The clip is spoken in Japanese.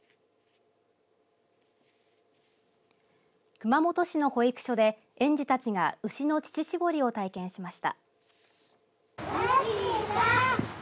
熊本市の保育所で園児たちが牛の乳搾りを体験しました。